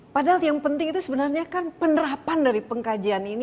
padahal yang penting itu sebenarnya kan penerapan dari pengkajian ini